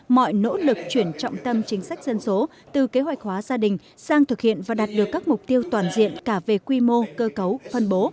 mọi nỗ lực chuyển trọng tâm chính sách dân số từ kế hoạch hóa gia đình sang thực hiện và đạt được các mục tiêu toàn diện cả về quy mô cơ cấu phân bố